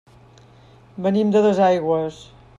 Venim de Dosaigües.